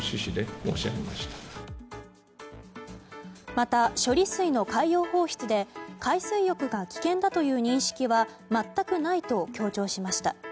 また、処理水の海洋放出で海水浴が危険だという認識は全くないと強調しました。